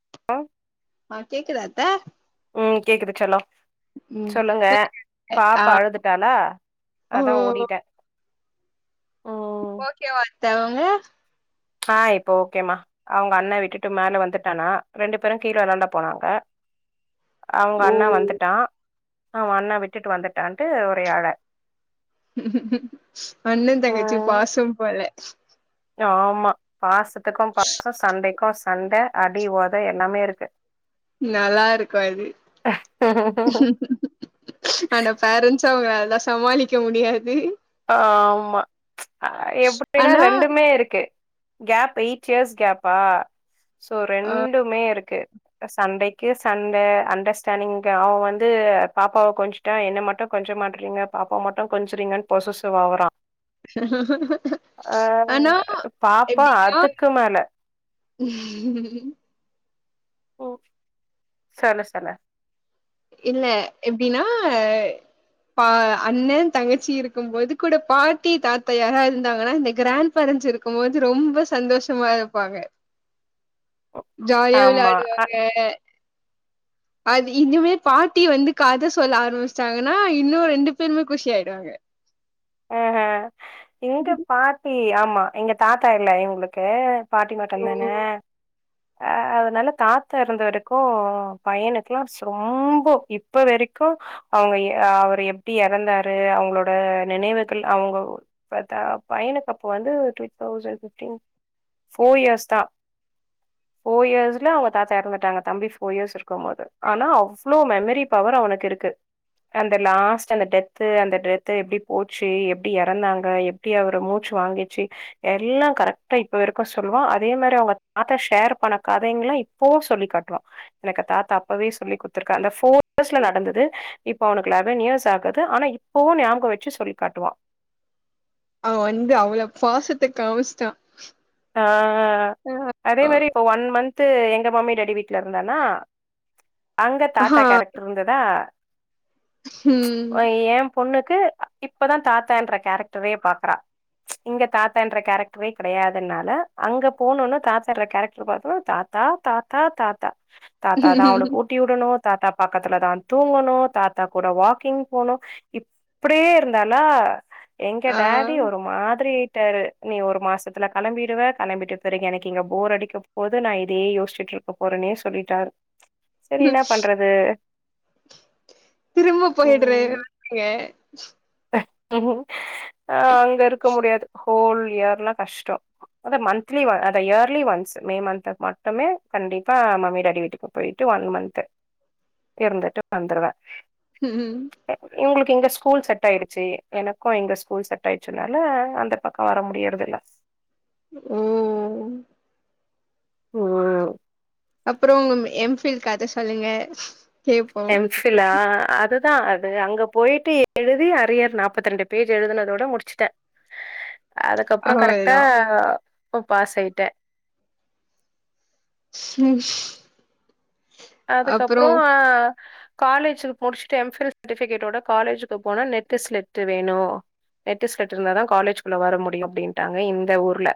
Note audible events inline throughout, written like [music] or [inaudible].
[unintelligible] அ கேக்குதாத்த ம் கேக்குது செல்லோ ம் சொல்லுங்க ஆ பாப்பா அழுதுட்டாளா ஓ அதா ஓடிட்டே தேவமூ அ இப்போ ஓகேம்மா அவுங்க அண்ணா விட்டுட்டு மேல வந்துட்டானா ரெண்டு பேரு கீழ வெள்ளாண்ட போனா அங்க அவுங்க ஓ அண்ணா வந்துட்டா அவ அண்ணா விட்டுட்டு வந்துட்டான்ட்டு ஒரே அழ அண்ணன் தங்கச்சி ம் பாசம் போல ஆமா பாச த்துக்கும் பாசோ சண்டைக்கு சண்ட அடி ஒத எல்லாமே இருக்கு நல்லாருக்கு அது அந்த பேரண்ட்ஸ் ஒருத்தவங்களாலலா சமாளிக்க முடியாது ஆமா எப்புடினா ஆனா ரெண்டுமே இருக்கு கேப் எயிட் இயர்ஸ் கேப்பா சோ ஆ ரெண்டுமே இருக்கு சண்டைக்கு சண்டை அண்டர்ஸ்டாண்டிங் அவன் வந்து பாப்பாவ கொஞ்சுிட்டான் என்னை மட்டும் கொஞ்ச மாட்டுறீங்க பாப்பாவ மட்டும் கொஞ்சுறீங்கன்னு பொசசிவ்வாகுறான் அ ஆனா பாப்பா அதுக்கு மேல ம். ஓ. சொல்லு சொல்லு இல்ல எப்படின்னா பா அண்ணன் தங்கச்சி இருக்கும்போது கூட பாட்டி தாத்தா யாரா இருந்தாங்கன்னா இந்த கிராண்ட் பேரண்ட்ஸ் இருக்கும்போது ரொம்ப சந்தோஷமா இருப்பாங்க ஜாலியா ஆமா அ விளையாடுவாங்க அது இனிமே பாட்டி வந்து கத சொல்ல ஆரம்பிச்சிட்டாங்கன்னா இன்னும் ரெண்டு பேருமே குஷி ஆய்டுவாங்க அ ஆ இங்க பாத் இ ஆமா எங்க தாத்தா இல்ல எங்களுக்கு பாட்டி ஓ! மட்டும்தானே அ அதனால தாத்தா இருந்தவரைக்கும் பையனுக்கெல்லா ரொம்ப இப்ப வரைக்கும் அவங்க அவரு எப்படி இறந்தாரு அவங்களோட நினைவுகள் அவங்க [unintelligible] பையனுக்கு அப்ப வந்து two thousand fifteen four years தான் போர் இயர்ஸ்ல அவங்க தாத்தா இறந்துட்டாங்க தம்பி போர்இயர்ஸ் இருக்கும்போது ஆனா அவ்ளோ மெமரி பவர் அவனுக்கு இருக்கு அந்த லாஸ்ட் அந்த டெத் அந்த டெத்தை எப்படி போச்சு எப்படி இறந்தாங்க எப்படி அவரு மூச்சு வாங்கிச்சு எல்லாம் கரெக்டா இப்ப வரைக்கும் சொல்லுவான் அதே மாரி அவங்க தாத்தா ஷேர் பண்ண கதைங்கல்லாம் இப்போ சொல்லி காட்டுவான் எனக்கு தாத்தா அப்பவே சொல்லிக் கொடுத்திருக்காங்க அந்த போர் இர்ஸ்ல நடந்தது இப்போ அவனுக்கு லெவன் இயர்ஸ் ஆகுது ஆனா இப்போவும் ஞாபக வச்சு சொல்லி காட்டுவா அவ வந்து அவள பாசத்தை காமிசிட்டா ஆ அதே மாரி இப்ப ஒன் மந்த் பத்து எங்க மம்மி டாடி வீட்டு்ல இருந்தானா அங்க தாத்தா ஆஹா கேரக்டர் இருந்ததா ம். எ பொண்ணுக்கு இப்பதா தாத்தா என்ற கேரக்டரே பார்க்கிறா இங்க தாத்தா என்ற கேரக்டரே கிடையாது அதனால அங்க போனுன்னு தாத்தா கேரக்டர் பாத்தும் தாத்தா தாத்தா தாத்தா தாத்தாதா அவளுக்கு ஊட்டி விடணும் தாத்தா பக்கத்துலதா தூங்கணும் தாத்தா கூட வாக்கிங் போணும் இப்படியே இருந்தாலா எங்க ஆ டாடி ஒரு மாதிரி யிட்டாரு நீ ஒரு மாசத்துல கிம்பிடுவே கிளம்பிட்டு பிறகு எனக்கு இங்க போர் அடிக்க போது நான் இதே யோசிச்சுட்டு இருக்க போறேன்னே சொல்லிட்டரு சரி என்ன பண்றது திரும்ப போயிடுறங்க [unintelligible] அ அங்க இருக்க முடியாது ஹோல் இயர் எல்லாம் கஷ்டம் அத மந்த்லி அத இயர்லி ஒன்ஸ் மே மந்த்து மட்டுமே கண்டிப்பா மம்மி டாடி வீட்டுக்கு போயிட்டு ஒன் மந்த் இருந்துட்டு வந்துருவேன் ம். இங்க ஸ்கூல் சட் செட் ஆயிடுச்சு எனக்கும் எங்க ஸ்கூல் செட் ஆயிடுச்சுனால அந்த பக்கம் வர முடியறது இல்ல ம். ஓ அப்புறம் உங்க எம்ஃபில் கதை சொல்லுங்க கேட்போம். எம்பிலா அதுதான் அது அங்க போயிட்டு எழுதி அரியர் நாற்பத்தி ரெண்டு பேஜ் எழுதினதோட முடிச்சுட்டேன் அதுக்கப்புறம் கரெக்டா அவ்ளதான். அப்போ பாசயிட்ட ம் அதுக்கப்பறம் காலேஜ முடிச்சிட்டு எம்பிள் சர்டிவிக்கேடோட காலேஜ்கு போனா நெட் ஸ்லிப்ட் வேணும் நெட்டு ஸ்லிப்ட் இருந்தாத காலேஜ் குள்ள வர முடியும் அப்படின்டாங்க இந்த ஊர்ல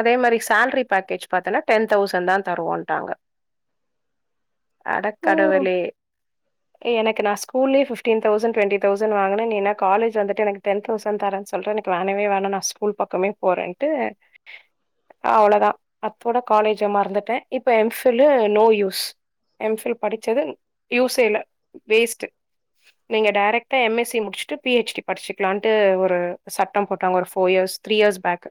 அதே மாதிரி சேலரி பேக்கேஜ் பாத்தனா டென்தவுசண்ட் தான் தருவோனுடாங்க ஓ! அடக்கடவுளே எனக்கு நான் ஸ்கூல்லயே பிப்டீன் தௌசண்ட் டுவெண்ட்டி தௌசண்ட் வாங்கினேன் நீன்னா காலேஜ் வந்துட்டு எனக்கு டென் தௌசண்ட் தரேன்னு சொல்லிட்டு எனக்கு வேனவே வேணா நான் ஸ்கூல் பக்கமே போறேனேட்டு அவ்ளோதான் அத்தோட காலேஜ் மறந்துட்டேன் இப்ப MPhil no use M Phil படிச்சது யூசே இல்ல வேஸ்ட்டு நீங்க டைரக்டா எம் எஸ் சி முடிச்சுட்டு பிஎச்டி படிக்கலானுட்டு ஒரு சட்டம் போட்டாங்க ஒரு four years three years back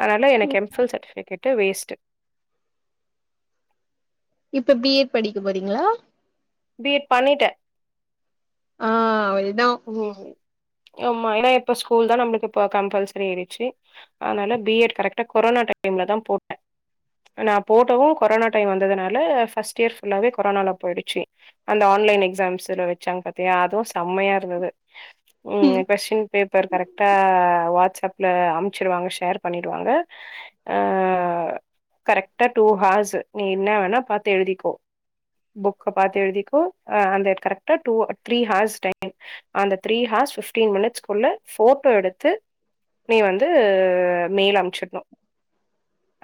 அதனால எனக்கு எம்ஃபில் சர்டிஃபிகேட்டு வேஸ்ட்டு இப்ப பிஎட் படிக்க போறீங்களா பி எட் பண்ணிட்டே ஆ ம் ம்மா ஏன்னா இப்ப ஸ்கூல் தான் நம்ம கம்பல்சரி ஆயிடுச்சு அதனால பிஎட் கரெக்டா கொரோனா டைம்ல தான் போட்டேன் நான் போட்டவும் கொரோனா டைம் வந்ததுனால பர்ஸ்ட் இயர் புல்லாவே கொரோனால போயிடுச்சு அந்த ஆன்லைன் எக்ஸாம்ஸ் வச்சாங்க பத்தியா அதுவும் செம்மையா இருந்தது ம் கொஸ்டின் பேப்பர் கரெக்டா வாட்ஸ்சாப்புல அமுசிடுவாங்க ஷேர் பண்ணிடுவாங்க ஆ கரெக்டா டூ ஹார்ஸ் நீ என்ன வேணா பாத்து எழுதிக்கோ புக்க பார்த்து எழுதிக்கோ அந்த கரெக்டாத்து திரி ஹார்ஸ் டைம் அந்த three hours fifteen minutes குள்ள போட்டோ எடுத்து நீ வந்து மெயில் அமைச்சிடணும்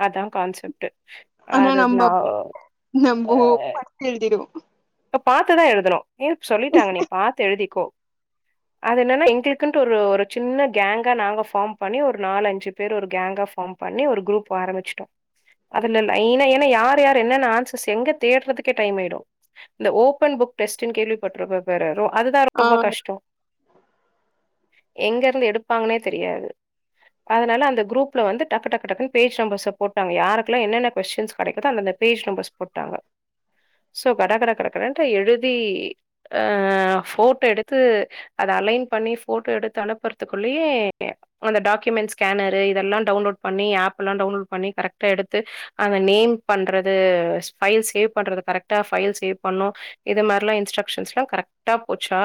அதான் கான்செப்ட் அனா அது நம்ப நா நம்பொ பாத்து எழுதிடுவோம் இப்ப பாத்துதான் எழுதணும் ஏ சொல்லிட்டாங்க நீ பாத்து எழுதிக்கோ அது என்னன்னா எங்களுக்குட்டு ஒரு ஒரு சின்ன கேங்கா நாங்க ஃபார்ம் பண்ணி ஒரு நாலு அஞ்சு பேர் ஒரு கேங்கா ஃபார்ம் பண்ணி ஒரு குரூப் ஆரம்பிச்சிட்டோம் அதுல லைன்னா ஏன்னா யார் யாரு என்னென்ன ஆன்சர்ஸ் எங்க தேடுறதுக்கே டைம் ஆயிடும் இந்த ஓபன் புக் டெஸ்ட்னு கேள்விப்பட்றப்ப பாரு றோ அதுதான் ஆ ரொம்ப கஷ்டம் எங்க இருந்து எடுப்பாங்கன்னே தெரியாது அதனால அந்த குரூப்ல வந்து டக் டக் டக்டன்னு பேஜ் நம்பர் போட்டாங்க யாருக்கெல்லாம் என்னன்ன கொஸின் கிடைக்குதோ அந்த அந்த பேஸ் நம்பர்ஸ் போட்டுடாங்க சோ கடகடவென போட்டாங்கோ க கட கட னு எழுதி ஆ போட்டோ எடுத்து அத அலைன் பண்ணி போட்டோ எடுத்து அனுப்புறதுக்குள்ளயே அந்த டாக்குயுமெண்ஸ் ஸ்கேனரு இதெல்லாம் டவுன்லோட் பண்ணிப் ஆப்பெல்லாம் டவுன்லோட் பன்னி கரட்டா எடுத்து அந்த நேம்பன்றது ஃபையில் சேவ்பன்றது கரட்டா ஃபையில் பண்ணோம் இது மாதிரிலாம் இன்ஸ்ட்ரக்ஷன்ஸ்ல்லாம் கரெக்டா போச்சா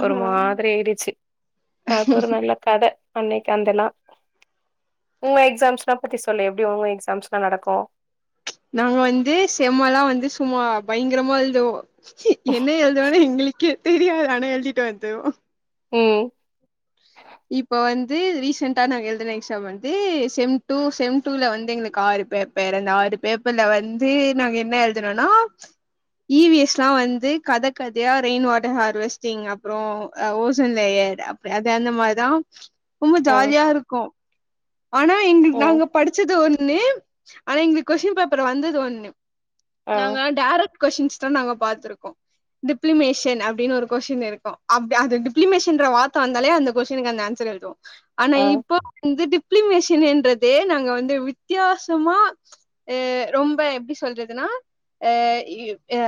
ஆ ஒரு மாதிரி ஆயிடுச்சு அது ஒரு நல்ல கதை அன்னைக்கு அந்த நா உங்க எக்ஸாம்ஸ்னா பத்தி சொல்லு எப்படி உங்க எக்ஸாம்ஸ்னா நடக்கும் நாங்க வந்து செம்ம எல்லாம் வந்து சும்மா பயங்கரமா எழுதுவோம் என்ன எழுது வேனா எங்களுக்கு தெரியாத ஆனா எழுதிட்டு வந்தோ ம் இப்ப வந்து ரீசண்ட்டா நாங்க எழ்துன எக்ஸாம் வந்து செம் டூ செம் டூல வந்து எங்களுக்கு ஆறு பேப்பர் அந்த ஆறு பேப்பர்ல வந்து நாங்க என்ன எழ்துனோன்னா ஈ வி எஸ் லா வந்து கத கதையா ரெயின் வாட்டர் ஹார்வஸ்டிங் அப்றோ ஓஷன் லேயர் அப் அது அந்த மா தா ரொம்ப அ ஜாலியா இருக்கு ஆனா இங்க ஓ நாங்க படிச்சது ஒன் னு ஆனா எங்களுக்கு கொஷ்ஷின் பேப்பர்ல வந்தது ஒன்னு அ நாங்க டேரெக் கொஷ்ஷின்ஸ் தா நாங்க பாத்துருக்கோ டிப்ளிமேஷன் அப்டினு ஒரு கொஷ்ஷின் இருக்கு அப்டி அது டிப்ளிமேஷன்ற வார்த்த வந்தாலே அந்த கொஷ்ஷினுக்கு அந்த ஆன்சர் எழுதுவோ ஆனா ஆ இப்போ வந்துட்டு டிப்ளிமேஷனுன்றதே நாங்க வந்து வித்யாசமா எ ரொம்ப எப்டி சொல்றதுன்னா ஆ இ ஆ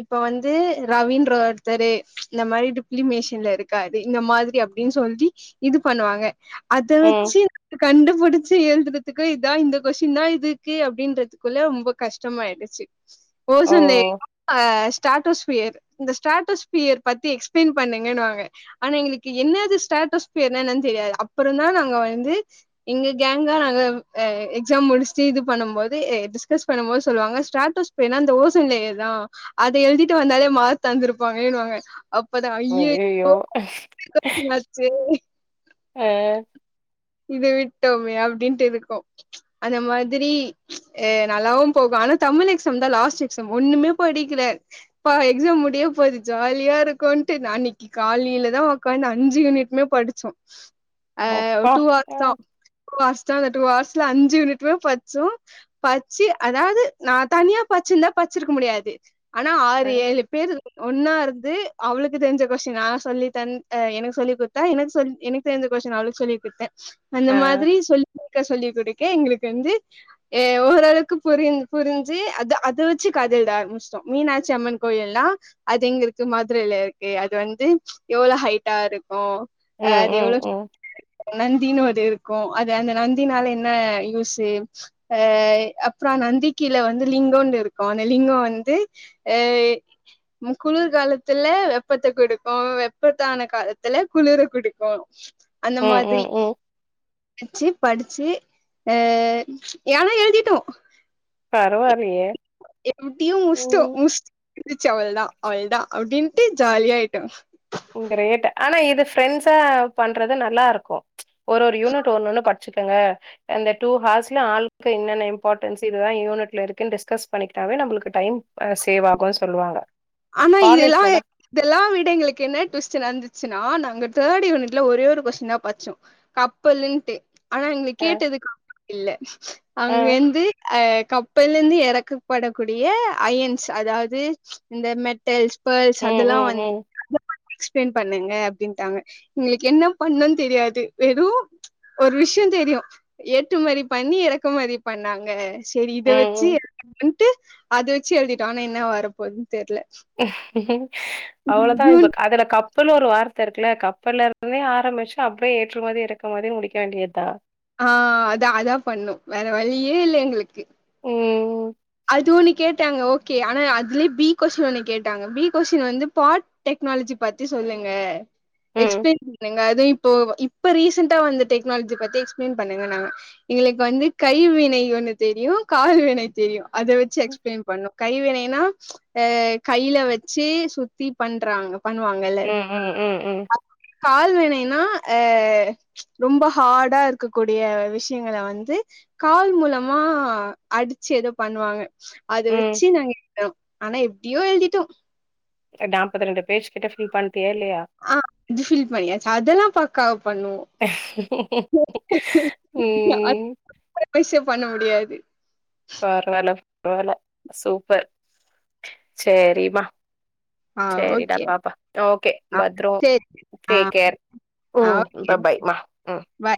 இப்ப வந்து ரவீன்ற ஒர்த்தரு இந்த மாரி டிப்ளிமேஷன்ல இருக்காரு இந்த மாதிரி அப் டின் சொல்லி இது பண்ணுவாங்க அத ம் வெச்சி கண்டுபுடிச்சி எழ்துறதுக்கு இதா இந்த கொஷ்ஷின்தா இதுக்கு அப்டின்றதுக்குள்ள ரொம்ப கஷ்டமாயிடுச்சி போஷன்ல ஓ [inaudible] ஸ்ட்ராடோஸ்ஃபியர் இந்த ஸ்ட்ராடோஸ்பியர் பத்தி எக்ஸ்ப்ளைன் பண்ணுங்கனுவாங்க ஆனா எங்களுக்கு என்ன து ஸ்டேடோஸ்பியர்னா என்னன் தெரியாது அப்பறொந்தா நாங்க வந்து எங்க கேங்கா நாங்க இ எக்ஸாம் முடிஷ்ட்டு இது பண்ணம் போது எ டிஸ்கஸ் பண்ணம் போது சொல்லுவாங்க ஸ்டாடோஸ்பியர்னா அந்த ஓசோன் லேயர் தா அத எழ்திட்டு வந்தாலே மார்க் தந்துருப்பாங்கனுவாங்க அப்பதா ஐயையோ அய்யய்யோ! [inaudible] சேரி ஆ இத விட்டோமே அப்டின்ட்டு இருக்கு அந்த மாதிரி ஏ நல்லாவு போகு ஆனா தமிழ் எக்ஸாம் தா லாஸ்ட் எக்ஸாம் ஒண்ணுமே படிக்கில பா எக்ஸாம் முடிய போது ஜாலியா இருக்குன்ட்டு நா அன்னைக்கி காலைலதா ஒக்காந்து அஞ்சு யூனிட்மே படிச்சோ அப்பா [inaudible] அ, ஃபாஸ்டா வந்துட்டு லாஸ்ட்ல அஞ்சு யுனிட்டுமே பட்ச்சோ பச்சி அதாவ்து நா தனியா பச்சிருந்தா பச்சிருக்க முடியாது ஆனா அ, ஆறு ஏழு பேர் ஒன்னா இருந்து அவளுக்கு தெரிஞ்ச கொஷ்ஷின் நா சொல்லி தந் அ எனக்கு சொல்லி குடுத்தா எனக்கு சொல்லி எனக்கு தெரிஞ்ச கொஷ்ஷின் அவளுக்கு சொல்லி குடுத்த அந்த அ. மாதிரி சொல்லி க்க சொல்லி குடுக்க எங்களுக்கு வந்து எ ஓரளவுக்கு புரி புரிஞ்சி அது அத வச்சு கத எழ்த ஆரம்பிஷ்டோ மீனாட்சி அம்மன் கோயில்னா அது எங்க இருக்கு மதுரைல இருக்கு அது வந்து எவ்வளோ ஹைட்டா இருக்கு ம் ம் ம் நந்தினு ஒரு இருக்கு அது அந்த நந்தினால என்ன யூஸு அ அப்றோ நந்தி கீழ வந்து லிங்கோனு இருக்கு அந்த லிங்கொ வந்து ஆ ம் குளிர் காலத்துல வெப்பத்த குடுக்கு வெப்பத்தான காலத்துல குளிர குடுக்கு ம் ம் ம் வெச்சி படிச்சி ஆ யானா எழுதிட்டோ பரவாயில்லையே! எப்டியு முஷ்ட்டோ ம். முஷ் ச்சு அவள்தா அவள்தா அப்டின்ட்டு ஜாலியாயிட்டோ கிரேட் ஆனா இது ஃப்ரெண்ட்ஸா பண்றது நல்லா இருக்கு ஒரு ஒரு யூனிட் ஒண்ணொன்னு படிச்சுக்கங்க அ இந்த டூ ஹார்ஸ்ல ஆளுக்கு என்னென்ன இம்பார்ட்ன்ஸ் இதுதா யூனிட்ல இருக்குன் டிஸ்கஸ் பண்ணிக்கிட்டாவே நம்பளுக்கு டைம் ஆ சேவ் ஆகு சொல்லுவாங்க ஆனா இதெல்லா காலேஜ்லலாம் இதெல்லா விட எங்களுக்கு என்ன ட்விஸ்ட் நடந்துச்சுன்னா நாங்க தேர்ட் யுனிட்ல ஒரே ஒரு கொஸ்டின்தா பச்சோ கப்பலுன்ட்டு ஆனா எங்களுக் அ, கேட்டதுக்கு [inaudible] இல்ல அ. அங்க இந்து அ கப்பல்லிந்து எறக்கப்படக்கூடிய அயன்ஸ் அதாவது இந்த மெட்டல்ஸ் ஃபேல்ஸ் ம், அதெல்லா ம், வந் ம். [inaudible] எக்ஸ்பேன் பண்ணுங்க அப்டின்ட்டாங்க எங்ளுக்கு என்ன பண்ணுன் தெரியாது வெறு ஒரு விஷ்யொந் தெரியு ஏற்று மதி பண்ணி எறக்கு மதி பண்ணாங்க சேரி இத ம், வெச்சு ம். [inaudible] ட்டு அது வச்சு எழுதிட்டோ ஆனா என்ன வரப்போது அவ்ளோதா ஜூன் இப்ப க அதுல கப் கப்பலு ஒரு வார்த்த இருக்குல கப்பல்ல இருந்துமே ஆரம்பிச்சு அப்டியே ஏற்று மதி இறக்கு மதினு முடிக்க வேண்டியது தா ஆ அது அதா பண்ணு வேற வழியே இல்ல எங்களுக்கு ம் அது ஒன்னு கேட்டாங்க ஓகே ஆனா அதுலே பி கொஷின் ஒண்ணு கேட்டாங்க பி கொஷின் வந்து பார்ட் டெக்னாலஜி பத்தி சொல்லுங்க ம் எக்ஸ்பேன் பண்ணுங்க வை இப்போ வ இப்ப ரீசன்டா வந்த டெக்னால்ஜி பத்தி எக்ஸ்ப்ளேன் பண்ணுங்க நாங்க எங்களுக்கு வந்து கைவினை ஒண்ணு தெரியு கால் வினை தெரியு அத வெச்சு எக்ஸ்ப்ளைன் பண்ணோ கைவினைனா அ கையில வெச்சு சுத்தி பண்றாங்க ம் ம் ம் ம் [inaudible] கால் வெச் க்குனைனா அ ரொம்ப ஹாடா இருக்கக்கூடிய விஷியங்கள வந்து கால் மூலமா அடிச்சு எதோ பண்ணுவாங்க அத ம் வெச்சு நாங்க [inaudible] ஆனா இப் ப்டியோ எழ்திட்டோ அ டாப்பது ரெண்டு பேஜ் கிட்ட ஃபில் பண் ஆ இது ஃபில் பண்ணியாச்சு அதெல்லா பக்காவா பண்ணுவோ ம் [inaudible] பண்ண முடியாத் து பரவால்ல பரவால்ல சூப்பர் சேரீ மா ஆ சேரிடா ஓகே பாப்பா ஓகே ஆ பத்ரோ சேரி ஆ டேக்ஃகேர் ஆ ம் ஃபா ஃபாய்மா ம் பாய்